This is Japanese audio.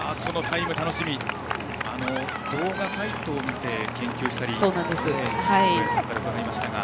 動画サイトを見て研究したりしていることを小林さんから伺いましたが。